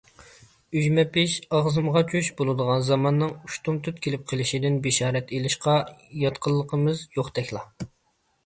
«ئۈجمە پىش، ئاغزىمغا چۈش» بولىدىغان زاماننىڭ ئۇشتۇمتۇت كېلىپ قېلىشىدىن بېشارەت ئېلىشقا ياتقىنلىقىمىز يوقتەكلا.